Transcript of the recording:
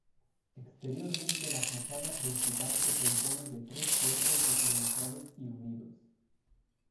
Exteriormente la fachada principal se compone de tres cuerpos diferenciados y unidos.